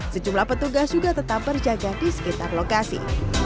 sejumlah petugas juga tetap berjaga di sekitar lokasi